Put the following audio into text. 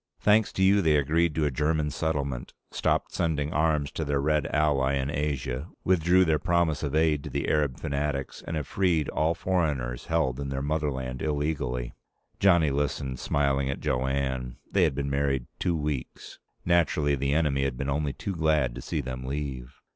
"Thanks to you, they agreed to a German settlement, stopped sending arms to their Red ally in Asia, withdrew their promise of aid to the Arab fanatics, and have freed all foreigners held in their motherland illegally." Johnny listened, smiling at Jo Anne. They had been married two weeks. Naturally, the enemy had been only too glad to see them leave.